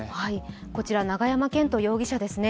こちら永山絢斗容疑者です。